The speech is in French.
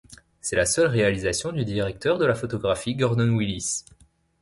C'est la seule réalisation du directeur de la photographie Gordon Willis.